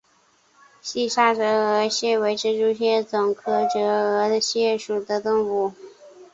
西沙折额蟹为蜘蛛蟹总科折额蟹属的动物。